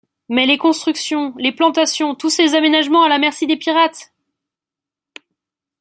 Mais les constructions, les plantations, tous ces aménagements à la merci des pirates!